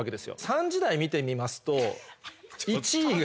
３時台見てみますと１位が。